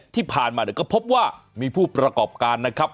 ที่ผ่านมาเนี่ยก็พบว่ามีผู้ประกอบการนะครับ